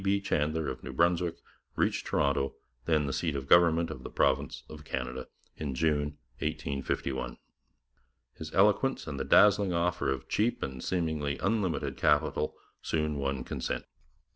B. Chandler of New Brunswick reached Toronto, then the seat of government of the province of Canada, in June 1851. His eloquence and the dazzling offer of cheap and seemingly unlimited capital soon won consent.